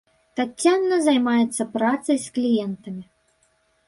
Таццяна займаецца працай з кліентамі.